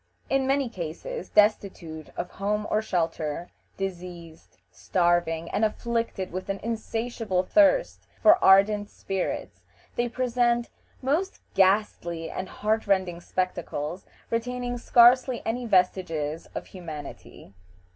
In many cases destitute of home or shelter, diseased, starving, and afflicted with an insatiable thirst for ardent spirits, they present most ghastly and heart rending spectacles, retaining scarcely any vestiges of humanity.